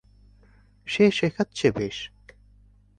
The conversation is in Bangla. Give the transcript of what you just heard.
সে শেখাচ্ছে বেশ।